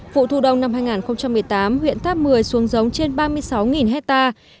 vụ thủ đông năm hai nghìn một mươi tám huyện tháp mười xuống giống trên ba mươi sáu hectare